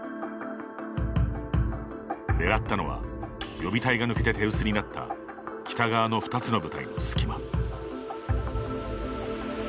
狙ったのは予備隊が抜けて手薄になった北側の２つの部隊の隙間。